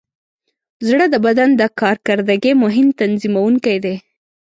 زړه د بدن د کارکردګۍ مهم تنظیموونکی دی.